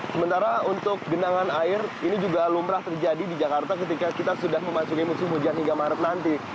sementara untuk genangan air ini juga lumrah terjadi di jakarta ketika kita sudah memasuki musim hujan hingga maret nanti